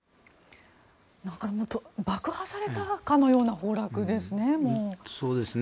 爆破されたかのような崩落ですね。